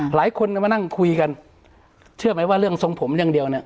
หลายคนมานั่งคุยกันเชื่อไหมว่าเรื่องทรงผมอย่างเดียวเนี่ย